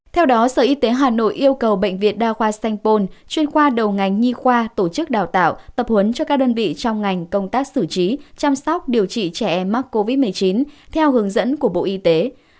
theo đó sở y tế hà nội yêu cầu bệnh viện đa khoa sanh pôn chuyên khoa đầu ngành nhi khoa tổ chức đào tạo tập huấn cho các đơn vị trong ngành công tác xử trí chăm sóc điều trị trẻ em mắc covid một mươi chín theo hướng dẫn của bộ y tế